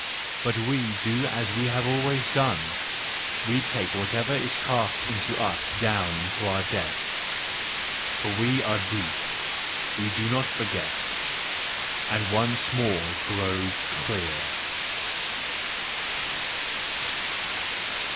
But we do as we have always done: we take whatever is cast into us down into our depths — for we are deep, we do not forget— and once more grow clear